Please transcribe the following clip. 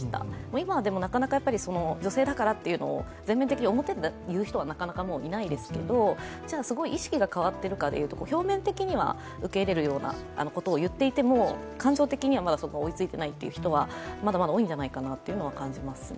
今はなかなか女性だからというのを全面的に表で言う人はなかなかもういないですけどじゃすごい意識が変わっているかというと表面的には受け入れるようなことを言っていても感情的にはまだそこに追いついてない人はまだまだ多いんじゃないかなというのは感じますね。